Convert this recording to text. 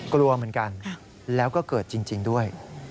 กลัวเหมือนกันแล้วก็เกิดจริงด้วย